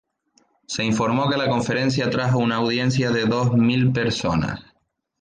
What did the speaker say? Se informó que la conferencia atrajo una audiencia de dos mil personas.